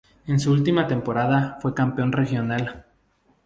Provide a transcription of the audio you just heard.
En su última temporada fue campeón regional.